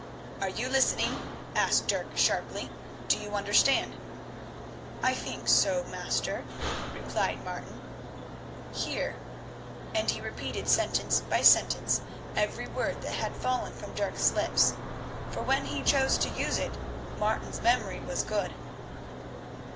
"Are you listening?" asked Dirk, sharply. "Do you understand?" "I think so, master," replied Martin. "Hear;" and he repeated sentence by sentence every word that had fallen from Dirk's lips, for when he chose to use it Martin's memory was good.